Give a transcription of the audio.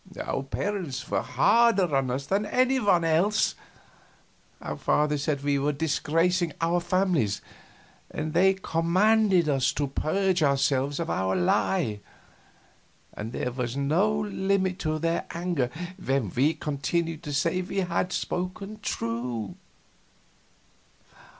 Our parents were harder on us than any one else. Our fathers said we were disgracing our families, and they commanded us to purge ourselves of our lie, and there was no limit to their anger when we continued to say we had spoken true.